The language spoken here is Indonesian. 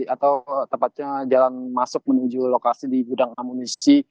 atau tepatnya jalan masuk menuju lokasi di gudang amunisi